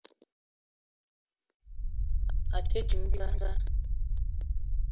A te ding mininga.